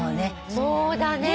そうだね。